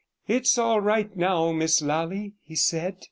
'It's all right now, Miss Lally,' he said.